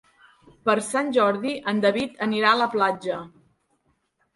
Per Sant Jordi en David anirà a la platja.